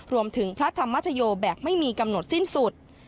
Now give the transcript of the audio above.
พระธรรมชโยแบบไม่มีกำหนดสิ้นสุด